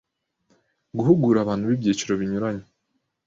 guhugura abantu b’ibyiciro binyuranye